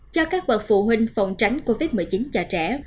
cho các bậc phụ huynh phòng tránh covid một mươi chín cho trẻ